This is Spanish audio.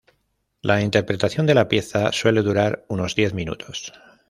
La interpretación de la pieza suele durar unos diez minutos.